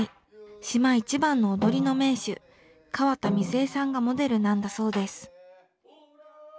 島一番の踊りの名手河田瑞恵さんがモデルなんだそうです。